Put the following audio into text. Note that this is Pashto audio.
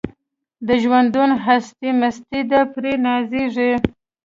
د ژوندون هستي مستي ده پرې نازیږي